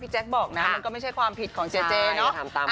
พี่แจ๊คบอกมันก็ไม่ใช่ความผิดของเจ๊เนอะ